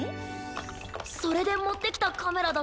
それでもってきたカメラだったのに。